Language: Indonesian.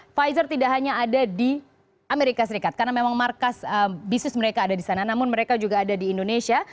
pfizer tidak hanya ada di amerika serikat karena memang markas bisnis mereka ada di sana namun mereka juga ada di indonesia